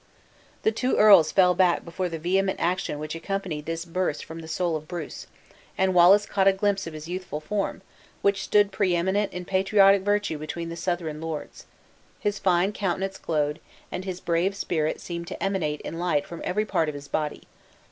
The two earls fell back before the vehement action which accompanied this burst from the soul of Bruce; and Wallace caught a glimpse of his youthful form, which stood pre eminent in patriotic virtue between the Southron lords: his fine countenance glowed, and his brave spirit seemed to emanate in light from every part of his body.